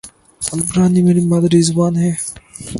عبرانی میری مادری زبان ہے